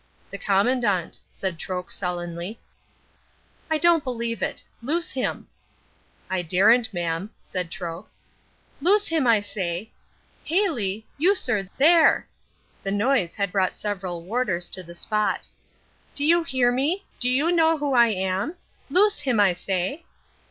"The Commandant," said Troke sullenly. "I don't believe it. Loose him!" "I daren't mam," said Troke. "Loose him, I say! Hailey! you, sir, there!" The noise had brought several warders to the spot. "Do you hear me? Do you know who I am? Loose him, I say!"